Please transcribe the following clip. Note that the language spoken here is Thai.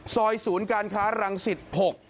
ซอยศูนย์การค้ารังสิทธิ์๖